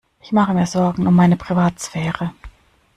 Ich mache mir Sorgen um meine Privatsphäre.